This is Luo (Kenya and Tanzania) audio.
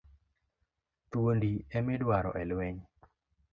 Thuondi e midwaro e lweny.